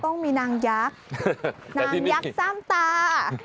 ต้องมีนางยักษ์นางยักษ์ซ่ามตา